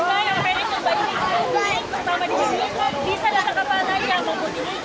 seru banget buat saya yang pengen kembali di sini